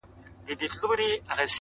چی په ژوند کی مو لیدلي دي اورونه-